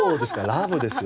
「ラブ」ですよ